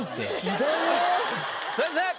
先生！